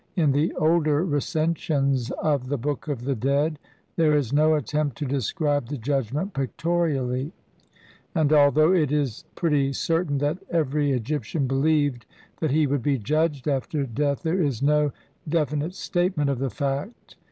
In the older Recensions of the Book of the Dead there is no attempt to describe the Judgment pictorially, and al though it is pretty certain that every Egyptian believed that he would be judged after death, there is no de finite statement of the fact.